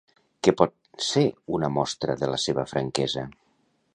Què pot ser una mostra de la seva franquesa?